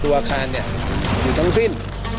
ตัวอาคารนี้อยู่ทั้งสิ้น